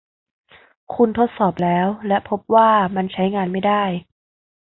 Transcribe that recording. คุณทดสอบแล้วและพบว่ามันใช้งานไม่ได้ ?